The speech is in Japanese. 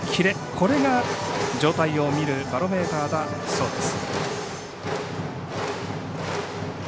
これが状態を見るバロメーターだそうです。